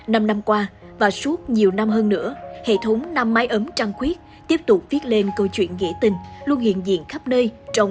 năm năm qua và suốt nhiều năm hơn nữa hệ thống năm mái ấm trang khuyết tiếp tục viết lên câu chuyện nghĩa tình luôn hiện diện khắp nước